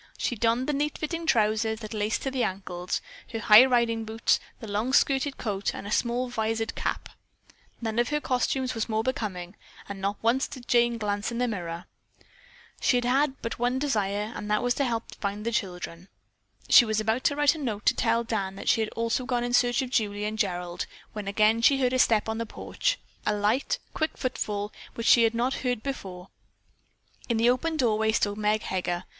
She donned the neat fitting trousers that laced to the ankles, her high riding boots, the long skirted coat and a small visored cap. None of her costumes was more becoming, but not once did Jane glance in the mirror. She had but one desire and that was to help find the children. She was about to write a note to tell Dan that she also had gone in search of Julie and Gerald when she again heard a step on the porch, a light, quick footfall which she had not heard before. In the open doorway stood Meg Heger.